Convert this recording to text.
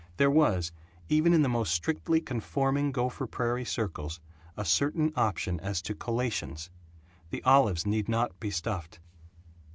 There was, even in the most strictly conforming Gopher Prairie circles, a certain option as to collations. The olives need not be stuffed.